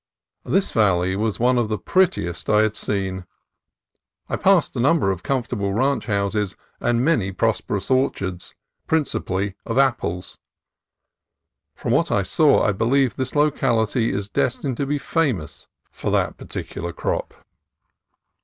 This valley was one of the prettiest I had seen. I passed a number of comfort able ranch houses and many prosperous orchards, principally of apples. From what I saw, I believe this locality is destined to be famous for that par ticular crop.